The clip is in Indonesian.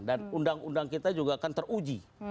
dan undang undang kita juga akan teruji